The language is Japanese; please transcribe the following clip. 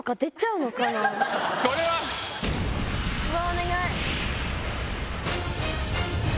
お願い！